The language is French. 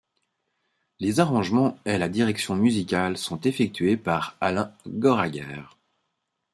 Les arrangements et la direction musicale sont effectués par Alain Goraguer.